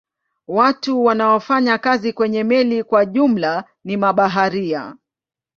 Watu wanaofanya kazi kwenye meli kwa jumla ni mabaharia.